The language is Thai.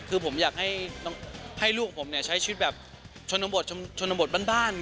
คือผมอยากให้ลูกผมใช้ชีวิตแบบชนบทชนบทบ้าน